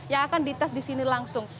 yang akan dites di sini langsung